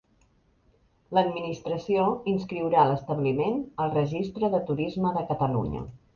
L'Administració inscriurà l'establiment al Registre de Turisme de Catalunya.